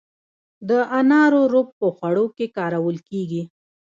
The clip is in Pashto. د انارو رب په خوړو کې کارول کیږي.